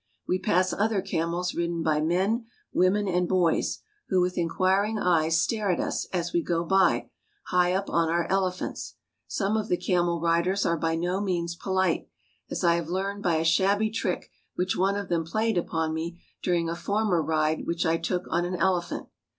We pass other camels ridden by men, women, and boys, who with inquiring eyes stare at us, as we go by, high up on our elephants. Some of the camel riders are by no means polite, as I have learned by a shabby trick which one of them played upon me during a former ride which I took on an elephant.